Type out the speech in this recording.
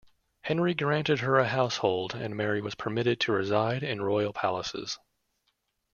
Henry granted her a household and Mary was permitted to reside in royal palaces.